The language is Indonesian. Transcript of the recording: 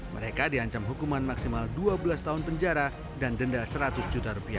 mereka diancam hukuman maksimal dua belas tahun penjara dan denda seratus juta rupiah